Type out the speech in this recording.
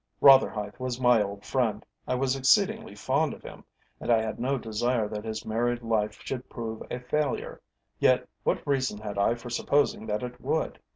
Rotherhithe was my old friend. I was exceedingly fond of him, and I had no desire that his married life should prove a failure. Yet what reason had I for supposing that it would?